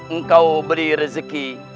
engkau beri rezeki